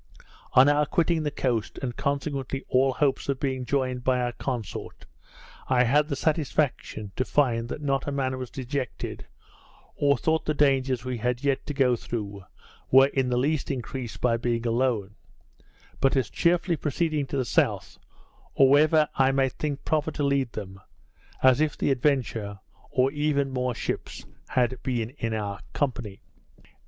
On our quitting the coast, and consequently all hopes of being joined by our consort, I had the satisfaction to find that not a man was dejected, or thought the dangers we had yet to go through, were in the least increased by being alone; but as cheerfully proceeding to the south, or wherever I might think proper to lead them, as if the Adventure, or even more ships, had been in our company.